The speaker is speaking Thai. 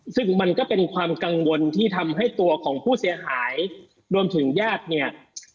ซึ่งมันก็เป็นความกังวลที่ทำให้ตัวของผู้เสียหายรวมถึงญาติเนี่ย